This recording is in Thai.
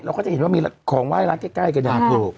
เราก็จะเห็นว่ามีของไหว้ร้านใกล้กันเนี่ย